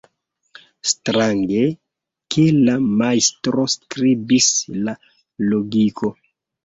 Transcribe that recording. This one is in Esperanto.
Strange, ke la majstro skribis la logiko.